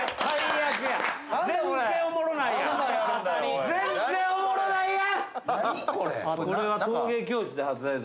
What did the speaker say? はい。